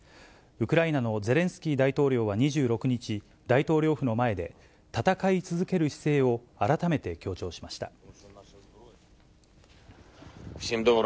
ウクライナのゼレンスキー大統領は２６日、大統領府の前で、戦い続ける姿勢を改めて強調しました。